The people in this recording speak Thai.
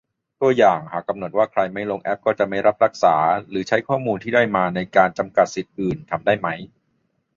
ตัวอย่าง : หากกำหนดว่าใครไม่ลงแอปก็จะไม่รับรักษา หรือใช้ข้อมูลที่ได้มาในการกำจัดสิทธิ์อื่น ทำได้ไหม ?